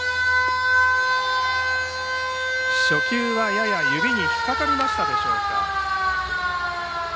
初球はやや指に引っかかりましたでしょうか。